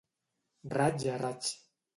Raig a raig.